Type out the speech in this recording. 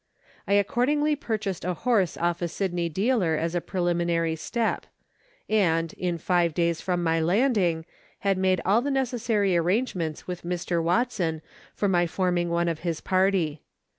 I accordingly purchased a horse off a Sydney dealer as a preliminary step ; and, in five days from my landing, had made all the necessary arrangements with Mr. Watson for my forming one of his party.